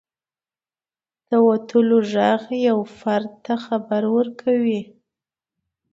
• د وتلو ږغ یو فرد ته خبر ورکوي.